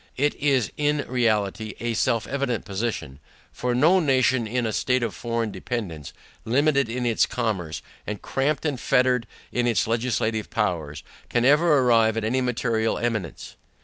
It is in reality a self evident position: For no nation in a state of foreign dependance, limited in its commerce, and cramped and fettered in its legislative powers, can ever arrive at any material eminence.